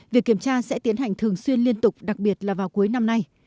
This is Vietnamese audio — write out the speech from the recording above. việc kiểm tra sẽ tiến hành thường xuyên liên tục đặc biệt là vào cuối năm nay